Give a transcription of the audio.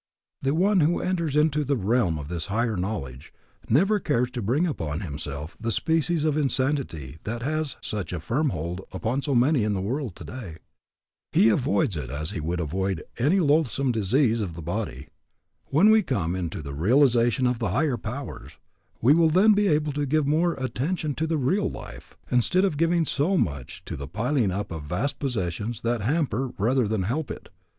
The one who enters into the realm of this higher knowledge, never cares to bring upon himself the species of insanity that has such a firm hold upon so many in the world today. He avoids it as he would avoid any loathsome disease of the body. When we come into the realization of the higher powers, we will then be able to give more attention to the real life, instead of giving so much to the piling up of vast possessions that hamper rather than help it.